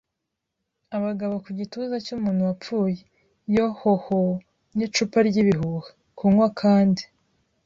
“Abagabo ku gituza cy'umuntu wapfuye - Yo-ho-ho, n'icupa ry'ibihuha! Kunywa kandi